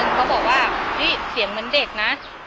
อีกคนหนึ่งเขาบอกว่าอีเสียงเหมือนเด็กนะ